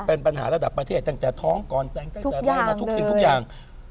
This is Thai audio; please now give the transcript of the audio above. เป็นปัญหาระดับประเทศตั้งแต่ท้องก่อนแต่งตั้งแต่ไล่มาทุกสิ่งทุกอย่าง